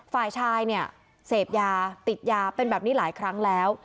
ฝ่ายชายเนี่ยเสพยาติดยาเป็นแบบนี้หลายครั้งแล้ว